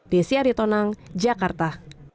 desy aritonang jakarta